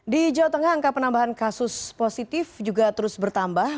di jawa tengah angka penambahan kasus positif juga terus bertambah